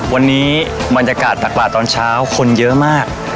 วันนี้บรรยากาศตักบาทตอนเช้าคนเยอะมาก